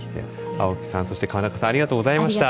青木さんそして川中さんありがとうございました。